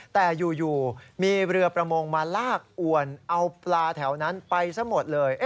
แต่อยู่มีเรือประมงมาลากอวนเอาปลาแถวนั้นไปซะหมดเลย